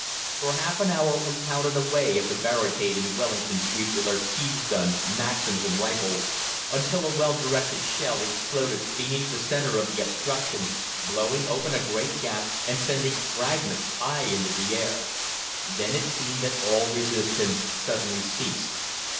"For half an hour we pounded away at the barricade in Wellington Street with our siege guns, Maxims, and rifles, until a well directed shell exploded beneath the centre of the obstruction, blowing open a great gap and sending fragments high into the air. Then it seemed that all resistance suddenly ceased.